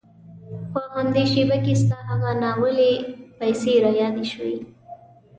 په همدې شېبه کې ستا هغه ناولې پيسې را یادې شوې.